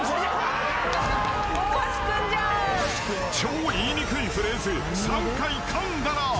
［超言いにくいフレーズ３回かんだら］